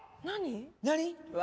何？